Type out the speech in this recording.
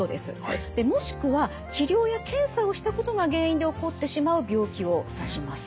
もしくは治療や検査をしたことが原因で起こってしまう病気を指します。